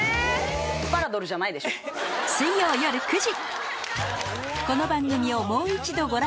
水曜夜９時！